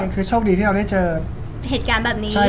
คือโชคดีที่เราได้เจอเหตุการณ์แบบนี้